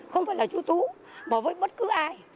không phải là chú tú mà với bất cứ ai